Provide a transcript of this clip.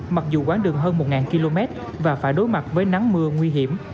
mặc dù quán đường hơn một km và phải đối mặt với nắng mưa nguy hiểm